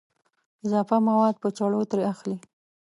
اضافه مواد په چړو ترې اخلي.